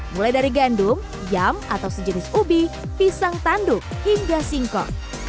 mulai dari gandum yam atau sejenis ubi pisang tanduk hingga singkong